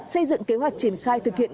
xây dựng kế hoạch triển khai thực hiện